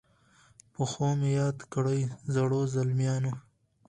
په ښو مي یاد کړی زړو، زلمیانو